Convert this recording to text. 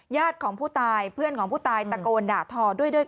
ญาติของผู้ตายเพื่อนของผู้ตายตะโกนด่าทอด้วย